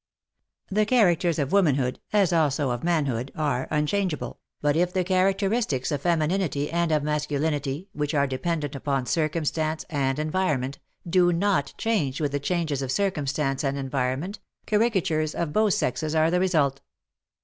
The characters of womanhood as also of man hood are unchangeable, but if the characteristics of femininity and of masculinity, which are dependent upon circumstance and environment, do not change with the changes of circumstance and environment, caricatures of both sexes are the result.